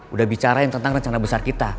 udah bicara yang tentang rencana besar kita